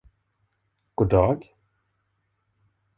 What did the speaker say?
God dag.